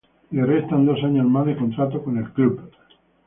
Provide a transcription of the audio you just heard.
Le restan dos años más de contrato con el club.